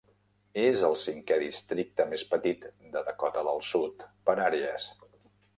És el cinquè districte més petit de Dakota del Sud per àrees.